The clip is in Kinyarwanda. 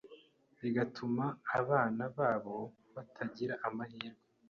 bigatuma abana babo batagira amahirwe